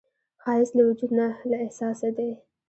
ښایست له وجوده نه، له احساسه دی